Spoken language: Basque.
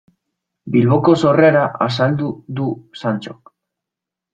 Bilboko sorrera azaldu du Santxok.